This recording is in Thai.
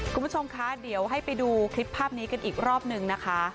กุณผู้ชมคะเดี๋ยวให้ดูคลิปภาพนี้อีกรอบหนึ่งค่ะ